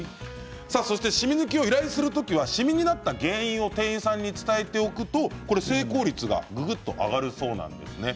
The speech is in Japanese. そして、しみ抜きを依頼する時はしみになった原因を店員さんに伝えておくと成功率はぐぐっと上がるそうなんですね。